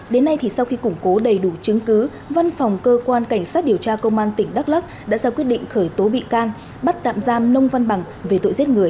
đến nay thì sau khi củng cố đầy đủ chứng cứ văn phòng cơ quan cảnh sát điều tra công an tỉnh đắk lắc đã ra quyết định khởi tố bị can bắt tạm giam nông văn bằng về tội giết người